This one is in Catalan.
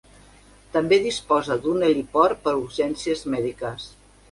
També disposa d'un heliport per a urgències mèdiques.